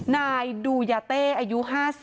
นายดูยาเต้อายุ๕๐